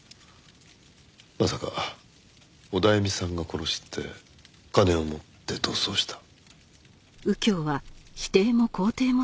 まさかオダエミさんが殺して金を持って逃走した。